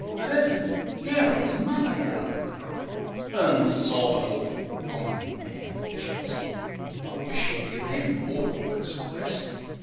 But 'Eavens! Now 'ere's muvver goin' crook! An' sobbin' awful on me manly chest! (I wish she'd give them water works a rest.)